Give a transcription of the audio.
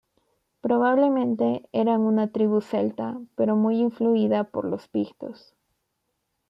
Probablemente eran una tribu celta pero muy influida por los Pictos.